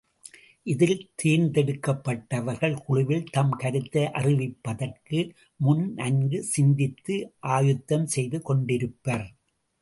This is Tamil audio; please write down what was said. இதில் தேர்ந்தெடுக்கப்பட்டவர்கள் குழுவில் தம் கருத்தை அறிவிப்பதற்கு முன் நன்கு சிந்தித்து ஆயத்தம் செய்து கொண்டிருப்பர்.